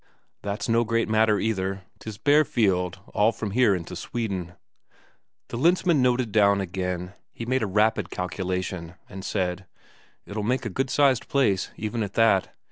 "That's no great matter either. 'Tis bare field all from here into Sweden." The Lensmand noted down again. He made a rapid calculation, and said: "It'll make a good sized place, even at that.